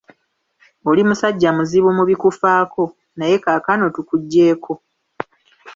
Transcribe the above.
Oli musajja muzibu mu bikufaako, naye kaakano tukuggyeeko.